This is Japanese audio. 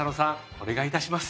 お願いいたします。